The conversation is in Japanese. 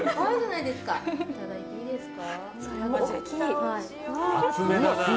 いただいていいですか。